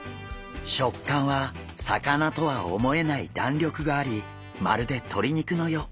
食感は魚とは思えないだんりょくがありまるで鶏肉のよう。